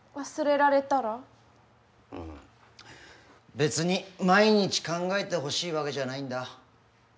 別に毎日考えてほしいわけじゃないんだ。